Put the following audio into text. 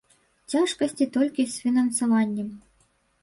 Цяжкасці толькі з фінансаваннем.